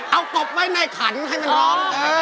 เอากบไว้ในขันให้มันร้อง